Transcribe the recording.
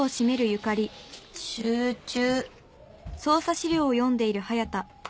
集中。